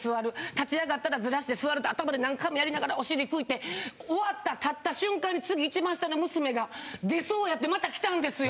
立ち上がったらずらして座るって頭で何回もやりながらお尻拭いて終わった立った瞬間に次一番下の娘が。ってまた来たんですよ。